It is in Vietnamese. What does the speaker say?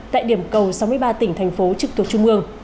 tại điểm cầu sáu mươi ba tỉnh thành phố trực thuộc trung ương